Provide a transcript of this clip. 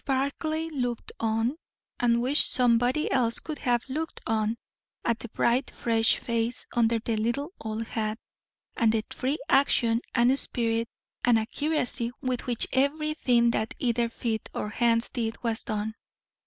Barclay looked on, and wished some body else could have looked on, at the bright, fresh face under the little old hat, and the free action and spirit and accuracy with which everything that either feet or hands did was done.